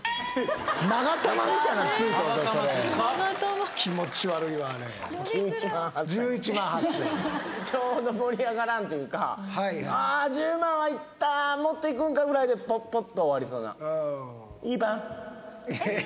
まが玉みたいなんついとるそれ気持ち悪いわあれ１１８０００円ちょうど盛り上がらんというかああ１０万はいったもっといくんかぐらいでポッポッと終わりそうなえっ？